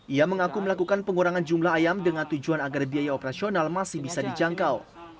ia mengaku melakukan pengurangan jumlah ayam dengan tujuan agar biaya operasional masih bisa dijangkau